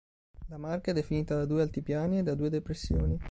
La marca è definita da due altipiani e da due depressioni.